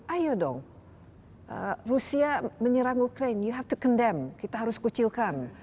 ayo dong rusia menyerang ukraine you have to condemn kita harus kucilkan